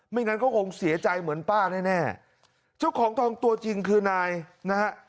งั้นก็คงเสียใจเหมือนป้าแน่แน่เจ้าของทองตัวจริงคือนายนะฮะ